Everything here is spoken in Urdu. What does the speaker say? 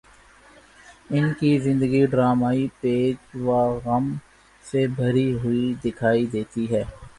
ان کی زندگی ڈرامائی پیچ و خم سے بھری ہوئی دکھائی دیتی ہے